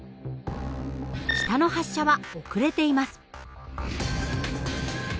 下の発射は遅れています。